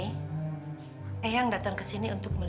eh eyang datang ke sini untuk melihatmu